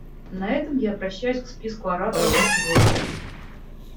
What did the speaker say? На этом я обращаюсь к списку ораторов на сегодня.